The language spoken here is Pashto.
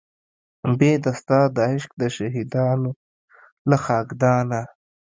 بې د ستا د عشق د شهیدانو له خاکدانه